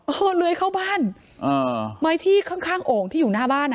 เหรอเออเลยเข้าบ้านเออมาที่ข้างข้างโอ่งที่อยู่หน้าบ้านอ่ะ